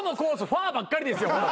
ファーばっかりですよ。